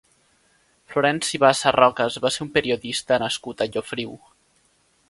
Florenci Bassa Rocas va ser un periodista nascut a Llofriu.